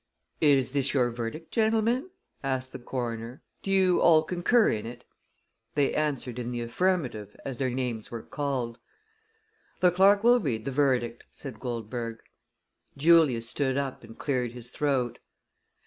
"Is this your verdict, gentlemen?" asked the coroner. "Do you all concur in it?" They answered in the affirmative as their names were called. "The clerk will read the verdict," said Goldberg. Julius stood up and cleared his throat.